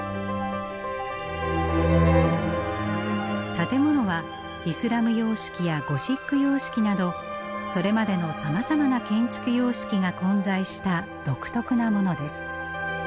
建物はイスラム様式やゴシック様式などそれまでのさまざまな建築様式が混在した独特なものです。